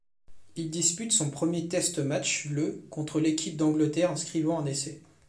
Il dispute son premier test match le contre l'équipe d'Angleterre inscrivant un essai.